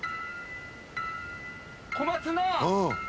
小松菜。